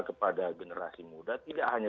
kepada generasi muda tidak hanya